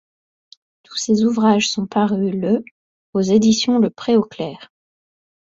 Tous ces ouvrages sont parus le aux éditions le pré aux clercs.